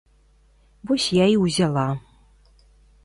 Вось я і ўзяла.